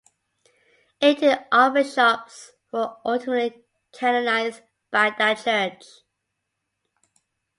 Eighteen Archbishops were ultimately canonised by that Church.